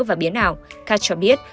và biến ảo kat cho biết